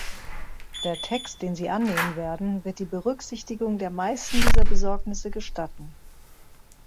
Der Text, den Sie annehmen werden, wird die Berücksichtigung der meisten dieser Besorgnisse gestatten.